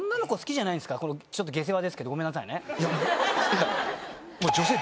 ちょっと下世話ですけどごめんなさいね。